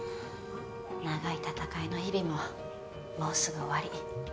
長い戦いの日々ももうすぐ終わり。